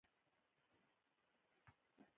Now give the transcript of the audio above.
مس ګېج وویل: زه به نوکر پسې ولېږم، زه اوس ځم.